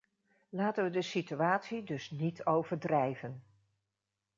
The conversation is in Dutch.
Laten we de situatie dus niet overdrijven.